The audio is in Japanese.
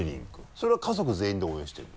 それは家族全員で応援してるの？